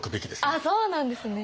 あっそうなんですね。